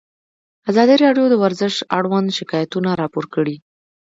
ازادي راډیو د ورزش اړوند شکایتونه راپور کړي.